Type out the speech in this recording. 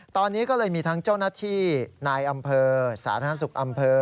ตอนนี้ก็เลยมีทั้งเจ้าหน้าที่นายอำเภอสาธารณสุขอำเภอ